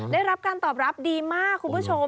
ได้รับการตอบรับดีมากคุณผู้ชม